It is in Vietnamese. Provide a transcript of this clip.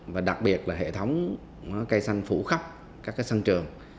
và đặc biệt là hệ thống cây xanh phủ khắp các sân trường